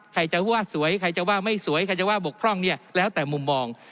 ใครจะว่าสวยใครจะว่าไม่สวยใครจะว่าบกพร่องเนี่ยแล้วแต่มุมมอง